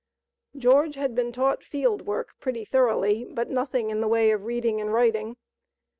George had been taught field work pretty thoroughly, but nothing in the way of reading and writing.